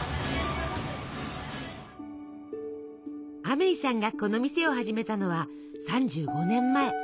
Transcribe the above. アメイさんがこの店を始めたのは３５年前。